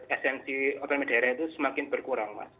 esensi otomedaerah itu semakin berkurang mas